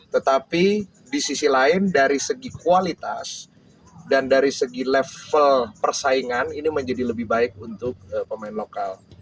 tetapi di sisi lain dari segi kualitas dan dari segi level persaingan ini menjadi lebih baik untuk pemain lokal